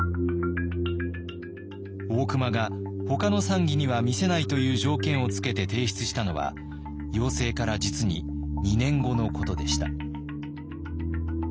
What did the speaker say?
大隈が他の参議には見せないという条件をつけて提出したのは要請から実に２年後のことでした。